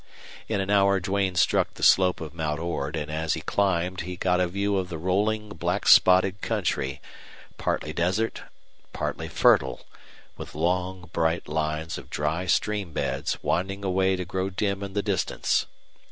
In an hour Duane struck the slope of Mount Ord, and as he climbed he got a view of the rolling, black spotted country, partly desert, partly fertile, with long, bright lines of dry stream beds winding away to grow dim in the distance.